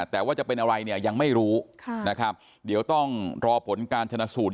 แต่ว่าจะเป็นอะไรเนี่ยยังไม่รู้นะครับเดี๋ยวต้องรอผลการชนะสูตร